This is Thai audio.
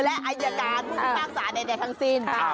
และอัยการภูมิภาคศาลใดทั้งสิ้น